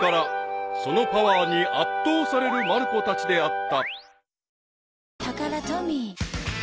［そのパワーに圧倒されるまる子たちであった］